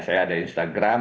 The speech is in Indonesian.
saya ada instagram